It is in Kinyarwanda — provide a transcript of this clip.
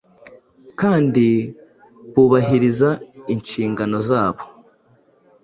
kandi bubahiriza inshingano zabo.